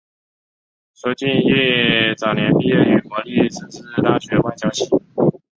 邱进益早年毕业于国立政治大学外交系。